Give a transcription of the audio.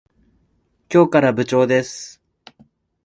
今日から部長です。